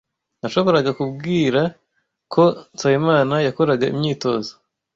Nashoboraga kubwira ko Nsabimana yakoraga imyitozo.